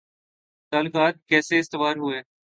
تعلقات کیسے استوار ہوئے